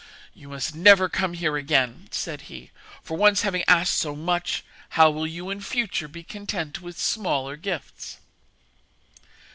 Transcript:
'You must never come here again,' said he, 'for, once having asked so much, how will you in future be content with smaller gifts?'